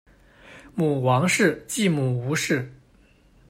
母王氏；继母吴氏。